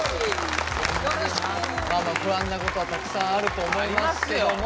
まあまあ不安なことはたくさんあると思いますけども。